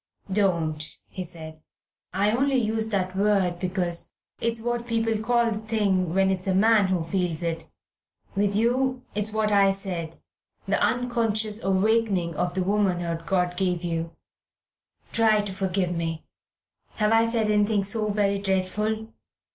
"Don't," he said; "I only used that word because it's what people call the thing when it's a man who feels it. With you it's what I said, the unconscious awakening of the womanhood God gave you. Try to forgive me. Have I said anything so very dreadful?